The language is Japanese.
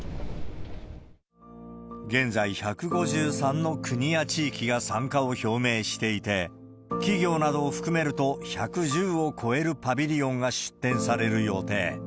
現在、１５３の国や地域が参加を表明していて、企業などを含めると１１０を超えるパビリオンが出展される予定。